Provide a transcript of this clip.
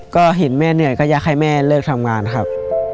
ก็เห็นแม่เหนื่อยก็อยากให้แม่เลิกทำงานครับ